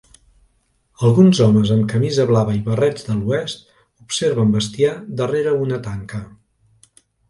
Alguns homes amb camisa blava i barrets de l'oest observen bestiar darrere una tanca.